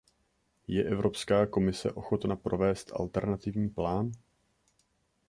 Je Evropská komise ochotna provést alternativní plán?